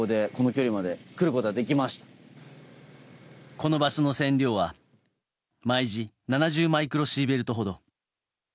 この場所の線量は毎時７０マイクロシーベルトほど。